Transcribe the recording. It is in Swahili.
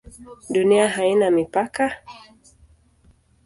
Dunia haina mipaka?